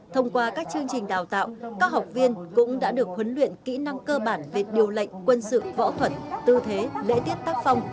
thông qua các chương trình đào tạo các học viên cũng đã được huấn luyện kỹ năng cơ bản về điều lệnh quân sự võ thuật tư thế lễ tiết tác phong